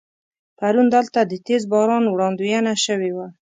پرون دلته د تیز باران وړاندوينه شوې وه.